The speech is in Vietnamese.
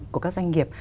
của các doanh nghiệp